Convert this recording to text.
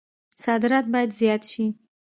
صادرات باید زیات شي